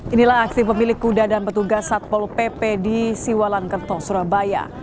inilah aksi pemilik kuda dan petugas satpol pp di siwalan kerto surabaya